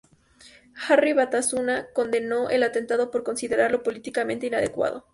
Herri Batasuna condenó el atentado por considerarlo "políticamente inadecuado".